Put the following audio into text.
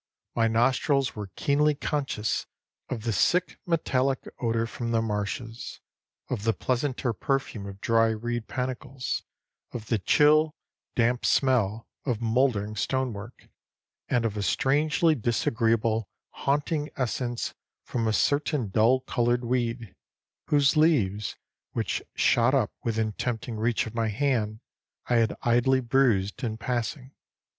My nostrils were keenly conscious of the sick metallic odor from the marshes, of the pleasanter perfume of dry reed panicles, of the chill, damp smell of mouldering stone work, and of a strangely disagreeable haunting essence from a certain dull colored weed, whose leaves, which shot up within tempting reach of my hand, I had idly bruised in passing.